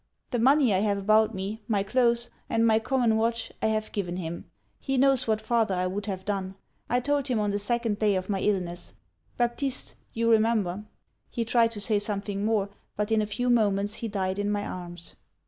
The money I have about me, my cloaths, and my common watch, I have given him. He knows what farther I would have done; I told him on the second day of my illness. Baptist you remember " 'He tried to say something more; but in a few moments he died in my arms.